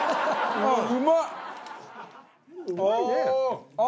うまっ。